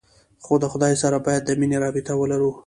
خو د خداى سره بايد د مينې رابطه ولرو.